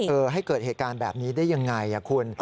ให้เกิดเหตุการณ์แบบนี้ได้ยังไงคุณ